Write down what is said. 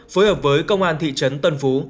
phối hợp với công an thị trấn tân phú